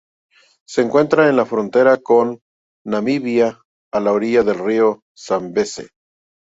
Se encuentra en la frontera con Namibia, a orillas del río Zambeze.